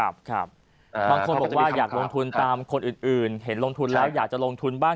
บางคนบอกว่าอยากลงทุนตามคนอื่นเห็นลงทุนแล้วอยากจะลงทุนบ้าง